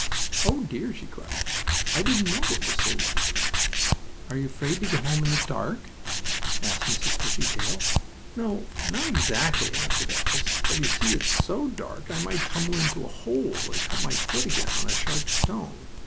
"Oh! dear!" she cried, "I didn't know it was so late." "Are you afraid to go home in the dark?" asked Mrs. Bushytail. "No, not exactly," answered Alice, "but you see it's so dark I might tumble into a hole, or cut my foot again on a sharp stone.